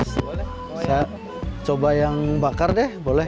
saya coba yang bakar deh boleh